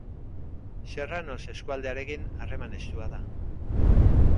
Serranos eskualdearekin harreman estua da.